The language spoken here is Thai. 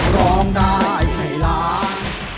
ร้องได้ให้ล้าน